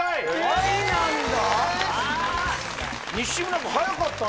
「愛なんだ」？